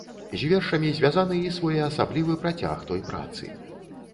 З вершамі звязаны і своеасаблівы працяг той працы.